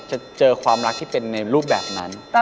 จะเจอความรักที่เป็นในรูปแบบนั้น